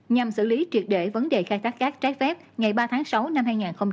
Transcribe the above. nhằm xử lý triệt đệ vấn đề khai thác cát trái phép ngày ba tháng sáu năm hai nghìn một mươi chín